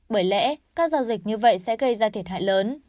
bởi lẽ các giao dịch như vậy sẽ gây ra thiệt hại lớn